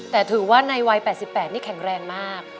แต่ถือว่าในวัย๘๘นี่แข็งแรงมาก